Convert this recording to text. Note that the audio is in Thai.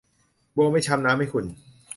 บัวไม่ช้ำ น้ำไม่ขุ่น